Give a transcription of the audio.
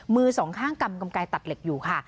มือสองข้างกำกำไกตัดเหล็กอยู่ค่ะ